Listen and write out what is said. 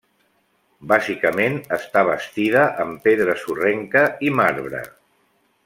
Bàsicament, està bastida amb pedra sorrenca i marbre.